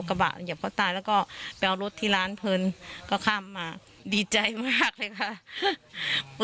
คือเอารถที่ร้านเพลินก็ทำมาดีใจมากเลยค่ะ